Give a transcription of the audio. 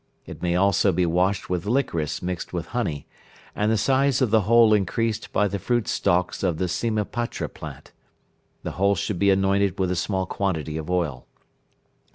It may also be washed with liquorice mixed with honey, and the size of the hole increased by the fruit stalks of the sima patra plant. The hole should be annointed with a small quantity of oil.